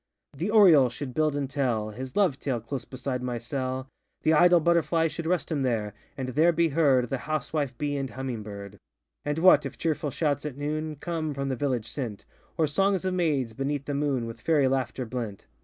The oriole should build and tell His love tale, close beside my cell; The idle butterfly Should rest him there, and there be heard The housewife bee and humming bird. And what, if cheerful shouts at noon, Come, from the village sent, Or songs of maids, beneath the moon, With fairy laughter blent?